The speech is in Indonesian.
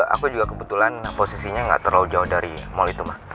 aku juga kebetulan posisinya gak terlalu jauh dari mall itu ma